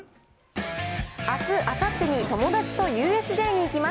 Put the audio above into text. あす、あさってに友達とＵＳＪに行きます。